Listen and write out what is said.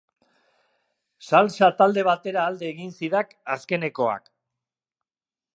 Salsa talde batera alde egin zidak azkenekoak.